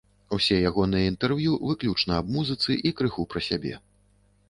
Усе ягоныя інтэрв'ю выключна аб музыцы і крыху пра сябе.